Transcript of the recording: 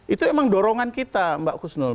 itu memang dorongan kita mbak husnul